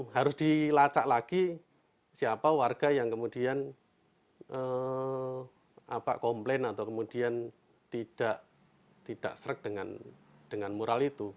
harus dilacak lagi siapa warga yang kemudian komplain atau kemudian tidak serek dengan mural itu